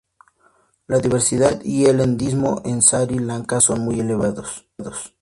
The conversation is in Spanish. La diversidad y el endemismo en Sri Lanka son muy elevados.